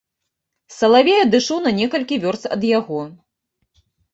Салавей адышоў на некалькі вёрст ад яго.